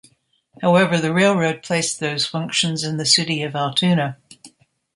However, the railroad placed those functions in the city of Altoona.